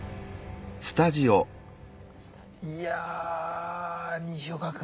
いやぁ西岡君。